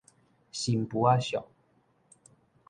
新婦仔相